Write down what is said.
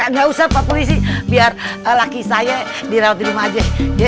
nggak usah pak polisi biar laki saya dirawat di rumah aja